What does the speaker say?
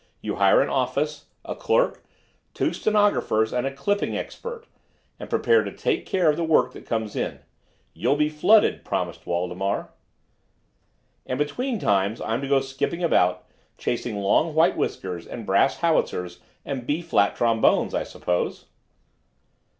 You hire an office, a clerk, two stenographers and a clipping export, and prepare to take care of the work that comes in. You'll be flooded," promised Waldemar. "And between times I'm to go skipping about, chasing long white whiskers and brass howitzers and B flat trombones, I suppose."